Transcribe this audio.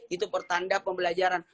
itu pertanda pembelajaran